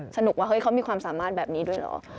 สนุกว่าเฮ้ยเขามีความสามารถแบบนี้ด้วยเหรอ